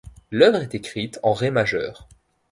L'œuvre est écrite en ré majeur.